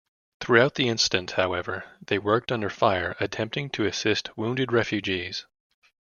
Throughout the incident, however, they worked under fire attempting to assist wounded refugees.